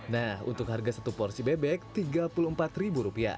nah untuk harga satu porsi bebek tiga puluh empat ribu rupiah